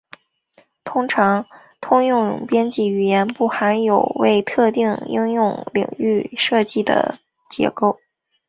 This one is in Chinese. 通常通用编程语言不含有为特定应用领域设计的结构。